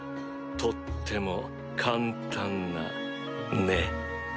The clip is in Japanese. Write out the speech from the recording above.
とっても簡単なね。